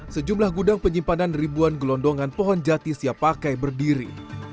sejumlah gudang penyimpanan ribuan gelondongan pohon jati siap pakai berdiri